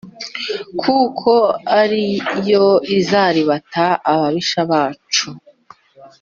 kuko ari yo izaribata ababisha bacu